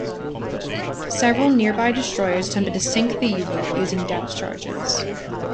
Several nearby destroyers attempted to sink the U-boat using depth charges.